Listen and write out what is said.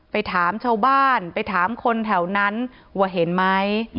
ไปถามชาวบ้านไปถามคนแถวนั้นว่าเห็นไหม